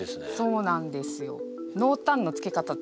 そうなんですよ。